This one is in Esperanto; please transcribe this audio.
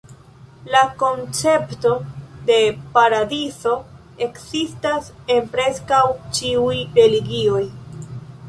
La koncepto de paradizo ekzistas en preskaŭ ĉiuj religioj.